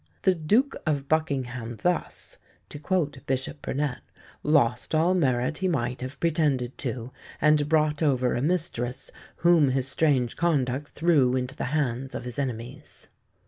"The Duke of Buckingham thus," to quote Bishop Burnet, "lost all merit he might have pretended to, and brought over a mistress whom his strange conduct threw into the hands of his enemies."